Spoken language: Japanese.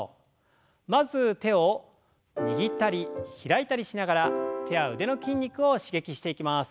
まず手を握ったり開いたりしながら手や腕の筋肉を刺激していきます。